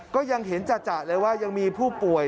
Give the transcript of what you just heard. ก็ยังเห็นจ่ะเลยว่ายังมีผู้ป่วย